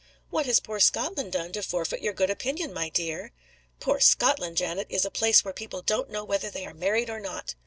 "What has poor Scotland done to forfeit your good opinion, my dear?" "Poor Scotland, Janet, is a place where people don't know whether they are married or not.